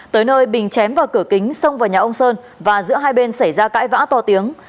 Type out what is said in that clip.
tới nơi bình chém vào cửa kính xông vào nhà ông sơn và giữa hai bên xảy ra cãi vã to tiếng